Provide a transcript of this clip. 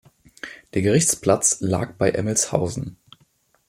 Der Gerichtsplatz lag bei Emmelshausen.